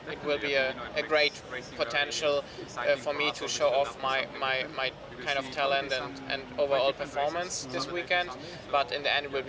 itu akan menjadi potensi yang bagus untuk saya untuk menunjukkan talentu dan performa keseluruhan saya pada minggu ini